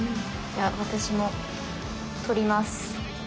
私も取ります！